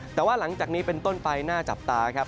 แต่ว่าหลังจากนี้เป็นต้นไปน่าจับตาครับ